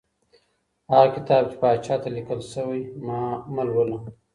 هغه کتاب چي پاچا ته لیکل سوی مه لوله.